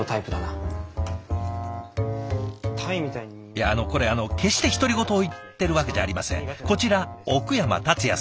いやこれあの決して独り言を言ってるわけじゃありません。